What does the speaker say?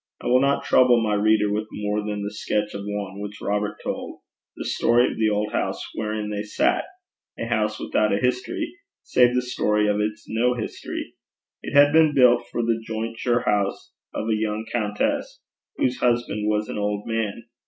I will not trouble my reader with more than the sketch of one which Robert told the story of the old house wherein they sat a house without a history, save the story of its no history. It had been built for the jointure house of a young countess, whose husband was an old man.